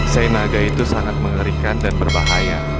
senaga itu sangat mengerikan dan berbahaya